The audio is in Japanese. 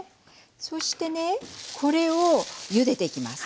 そしてねこれをゆでていきます。